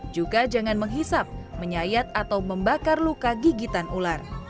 juga jangan menghisap menyayat atau membakar luka gigitan ular